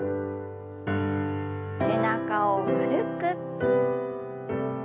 背中を丸く。